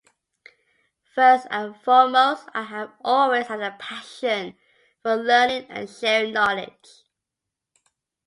First and foremost, I have always had a passion for learning and sharing knowledge.